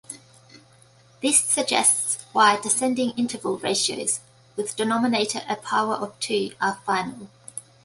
This suggests why descending interval ratios with denominator a power of two are final.